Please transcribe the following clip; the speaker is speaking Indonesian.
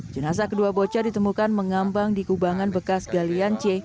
jenazah kedua bocah ditemukan mengambang di kubangan bekas galian c